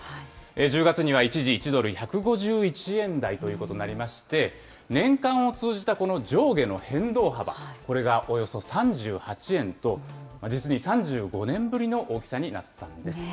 １０月には一時１ドル１５１円台ということになりまして、年間を通じたこの上下の変動幅、これがおよそ３８円と、実に３５年ぶりの大きさになったんです。